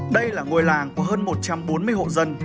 đây là ngôi làng của hơn một trăm bốn mươi hộ dân